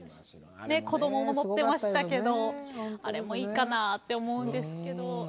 子供も乗ってましたけどあれもいいかなって思うんですけど。